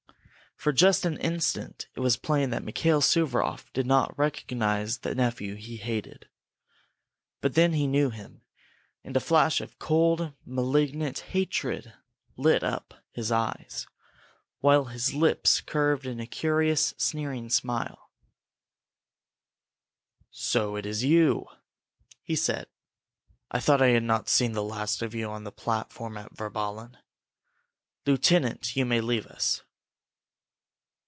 For just an instant it was plain that Mikail Suvaroff did not recognize the nephew he hated. But then he knew him, and a flash of cold, malignant hatred lit up his eyes, while his lips curved in a curious, sneering smile. "So it is you?" he said. "I thought I had not seen the last of you on the platform at Virballen! Lieutenant, you may leave us."